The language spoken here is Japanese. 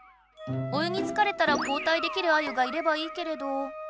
泳ぎつかれたら交代できるアユがいればいいけれど。